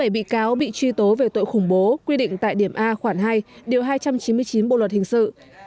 bảy bị cáo bị truy tố về tội khủng bố quy định tại điểm a khoản hai điều hai trăm chín mươi chín bộ luật hình sự